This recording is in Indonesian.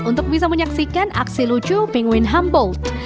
untuk bisa menyaksikan aksi lucu pingwin humbold